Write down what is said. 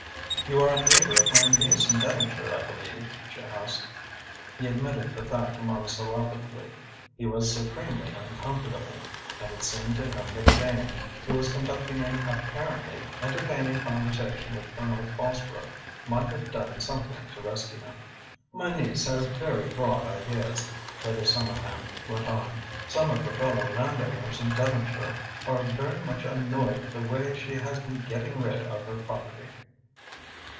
"You are a neighbour of my niece in Devonshire, I believe?" she asked. He admitted the fact monosyllabically. He was supremely uncomfortable, and it seemed to him that Jane, who was conducting an apparently entertaining conversation with Colonel Fosbrook, might have done something to rescue him. "My niece has very broad ideas," Lady Somerham went on. "Some of her fellow landowners in Devonshire are very much annoyed with the way she has been getting rid of her property."